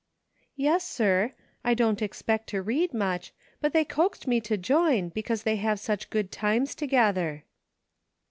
"" Yes, sir ; I don't expect to read much ; but they coaxed me to join, because they have such good times together."